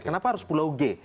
kenapa harus pulau g